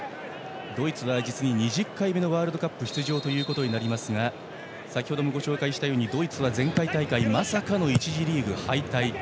ドイツは実に２０回目のワールドカップ出場となりますが先程もご紹介したようにドイツは前回大会まさかの１次リーグ敗退。